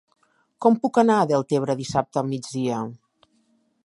Com puc anar a Deltebre dissabte al migdia?